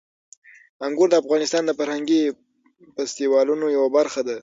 انګور د افغانستان د فرهنګي فستیوالونو یوه برخه ده.